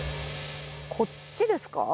こっちですか？